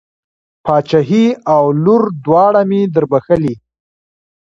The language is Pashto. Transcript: پاچهي او لور دواړه مې در بښلې.